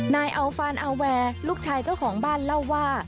นายอัลฟานอาแวร์ลูกชายเจ้าของบ้านเล่าว่า